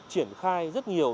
triển khai rất nhiều